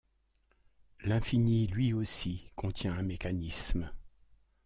L’infini, lui aussi, contient un mécanisme.